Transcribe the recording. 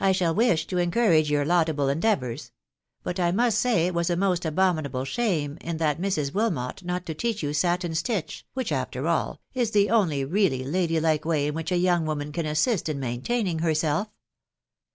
J shall wish to encourage your laudable .endeavours ;.,. hut l mmat aay it was a most abominable tahame in ifeat Ifo. Wiknot oat *te teach yew saitn etHeb, which, aifar al» is the <only really lady like may in whioh a young woman can assist in nsaiatalning herself.